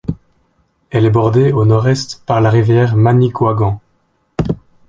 Elle est bordée, au nord-est, par la rivière Manicouagan.